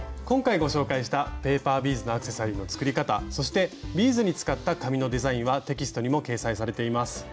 今回ご紹介した「ペーパービーズのアクセサリー」の作り方そしてビーズに使った紙のデザインはテキストにも掲載されています。